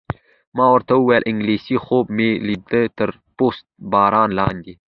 ما ورته وویل: انګلېسي خوب مې لیده، تر پست باران لاندې.